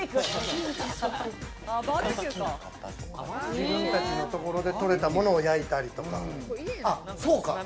自分たちのところでとれたものを焼いたりとか。